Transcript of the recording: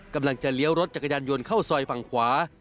กำลังจะเลี้ยวรถจักรยานยนต์เข้าสอยฝั่งขวา